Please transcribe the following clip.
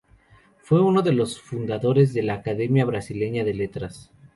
Fue uno de los fundadores de la Academia Brasileña de Letras.